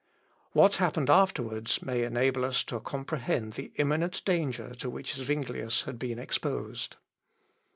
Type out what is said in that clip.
What happened afterwards may enable us to comprehend the imminent danger to which Zuinglius had been exposed.